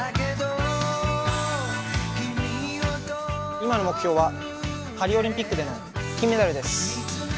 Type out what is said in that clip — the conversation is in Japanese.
今の目標はパリオリンピックでの金メダルです。